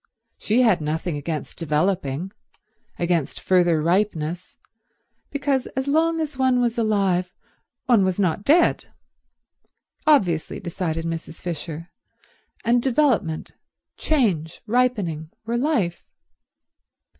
She had nothing against developing, against further ripeness, because as long as one was alive one was not dead—obviously, decided Mrs. Fisher, and development, change, ripening, were life.